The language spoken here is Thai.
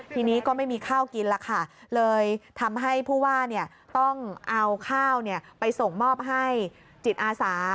ทีนี้ก็ไม่มีข้าวกินแล้วค่ะเลยทำให้ผู้ว่าต้องเอาข้าวไปส่งมอบให้จิตอาสา